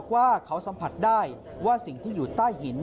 ว่าเขาสัมผัสได้ว่าสิ่งที่อยู่ใต้หิน